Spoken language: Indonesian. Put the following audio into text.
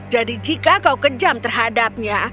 jadi jika kau kejam terhadapnya